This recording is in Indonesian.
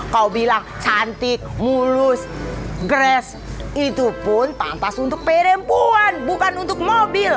kau bilang cantik mulus grash itu pun pantas untuk perempuan bukan untuk mobil